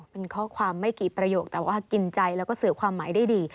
เป็นข้อความไม่กี่ประโยคแต่ว่ากินใจแล้วก็สื่อความหมายได้ดี